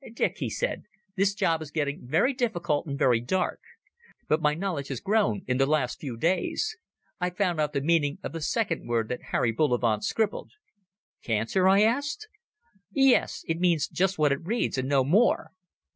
"Dick," he said, "this job is getting very difficult and very dark. But my knowledge has grown in the last few days. I've found out the meaning of the second word that Harry Bullivant scribbled." "Cancer?" I asked. "Yes. It means just what it reads and no more.